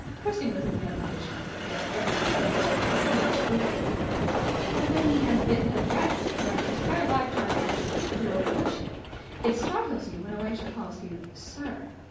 Percy was in no condition to subject everyone he met to a minute scrutiny. But, when you have been addressed for an entire lifetime as "your lordship", it startles you when a waiter calls you "Sir".